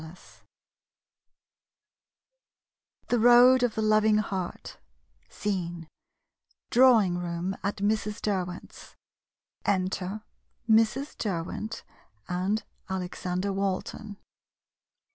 *5 THE ROAD OF THE LOVING HEART Scene — Drawing room at Mrs. Der went's. Enter Mrs. Derwent and Alexander Walton.